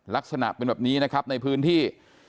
ลักษณะเป็นแบบนี้นะครับในพื้นที่